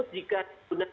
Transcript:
akan di ganti generasi